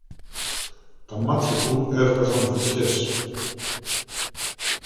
Τα μάτια του έβγαζαν φωτιές